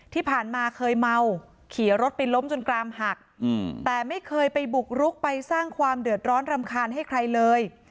ที่ผ่านมาเคยเมาขี่รถไปล้มจนกรามหักแต่ไม่เคยไปบุกรุกไปสร้างความเดือดร้อนรำคาญให้ใครเลย